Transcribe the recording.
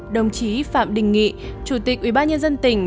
đồng chí phạm đình nghị chủ tịch ubnd tỉnh